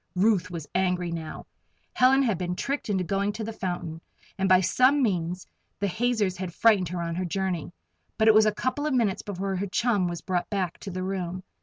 Ruth was angry now. Helen had been tricked into going to the fountain, and by some means the hazers had frightened her on her journey. But it was a couple of minutes before her chum was brought back to the room.